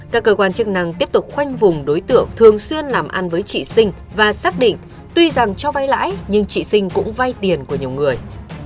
các cơ quan chức năng tiếp tục khoanh vùng đối tượng thường xuyên làm ăn với chị sinh và xác định tuy rằng cho vay lãi nhưng chị sinh cũng vay tiền của nhiều người